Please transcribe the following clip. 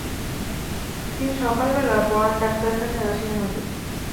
একদিন সকালবেলা পরান ডাক্তারখানায় আসিয়া হাজির।